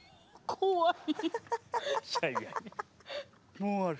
怖い！